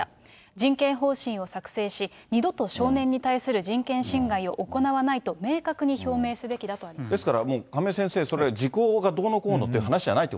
人権方針を作成し、二度と少年に対する人権侵害を行わないと明確に表明すべきだとあですから亀井先生、時効がどうのこうのという話じゃないと。